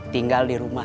tinggal di rumah